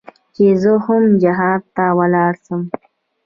چې زه هم جهاد ته ولاړ سم.